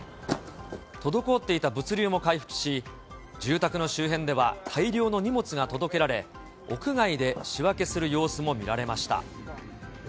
滞っていた物流も回復し、住宅の周辺では大量の荷物が届けられ、屋外で仕分けする様子も見られました。